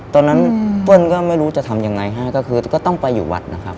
ตอนนั้นเปิ้ลก็ไม่รู้จะทำยังไงให้ก็คือก็ต้องไปอยู่วัดนะครับ